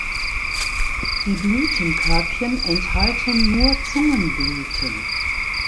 Die Blütenkörbchen enthalten nur Zungenblüten.